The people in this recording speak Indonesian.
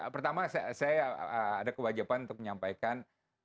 pertama saya ada kewajiban untuk menyampaikan